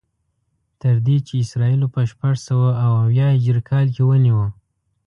تر دې چې اسرائیلو په شپږسوه او اویا هجري کال کې ونیو.